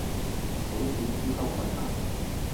好似呼吸困難